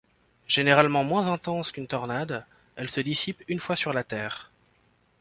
Généralement moins intenses qu'une tornade, elles se dissipent une fois sur la terre.